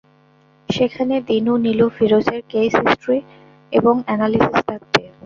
সেখানে দিনু, নীলু, ফিরোজের case history এবং অ্যানালিসিস থাকবে।